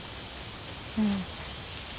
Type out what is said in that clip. うん。